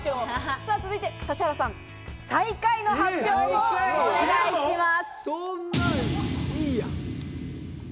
続いて指原さん、最下位の発表をお願いします。